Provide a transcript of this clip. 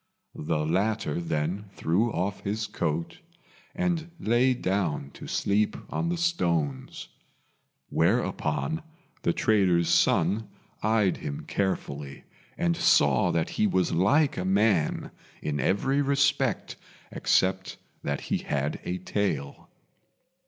The latter then threw off his coat, and lay down to sleep on the stones; whereupon the trader's son eyed him carefully, and saw that he was like a man in every respect except that he had a tail.